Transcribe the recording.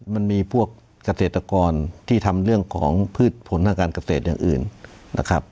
มันมีพวกเกษตรกรที่ทำเรื่องของพืชผลทางการเกษตรอย่างอื่นนะครับ